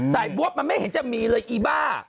บวกมันไม่เห็นจะมีเลยอีบ้า